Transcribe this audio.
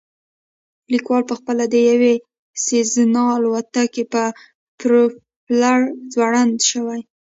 لیکوال پخپله د یوې سیزنا الوتکې په پروپیلر ځوړند شوی